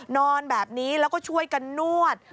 นอนแบบนี้แล้วก็ช่วยกันนวด